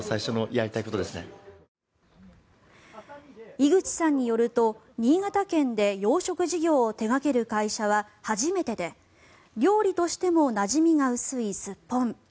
井口さんによると新潟県で養殖事業を手掛ける会社は初めてで料理としてもなじみが薄いスッポン。